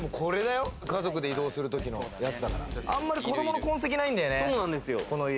ちっあんまり子どもの痕跡ないんだよね、この家。